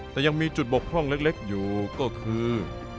แต่ยังมีจุดบกพร่องเล็กอยู่ก็คือ